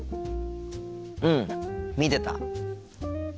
うん見てた。